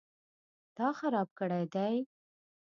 _تا خراب کړی دی؟